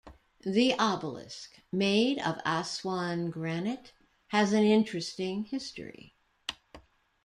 The obelisk, made of Aswan granite, has an interesting history.